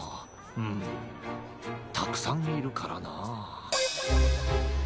うんたくさんいるからな。